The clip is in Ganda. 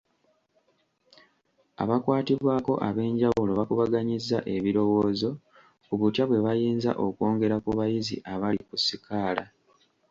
Abakwatibwako ab'enjawulo bakubaganyizza ebirowoozo ku butya bwe bayinza okwongera ku bayizi abali ku sikaala.